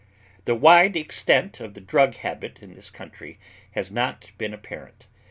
The wide extent of the drug habit in this country has not been apparent.